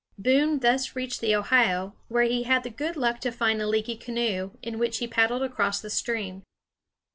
Boone thus reached the Ohio, where he had the good luck to find a leaky canoe, in which he paddled across the stream.